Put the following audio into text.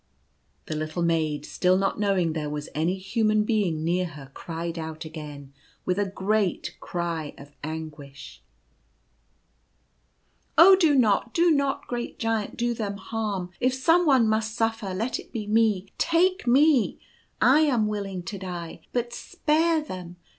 The little maid, still not knowing there was any human being near her, cried out again, with a great cry of anguish : 4C Oh, do not, do not, great Giant, do them harm. If someone must suffer, let it be me. Take me. I am willing to die, but spare them.